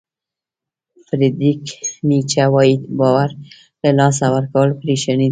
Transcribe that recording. فریدریک نیچه وایي باور له لاسه ورکول پریشاني ده.